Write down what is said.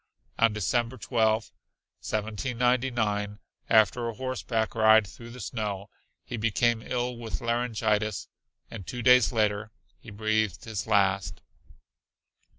On December 12, 1799, after a horseback ride through the snow, he became ill with laryngitis and two days later he breathed his last.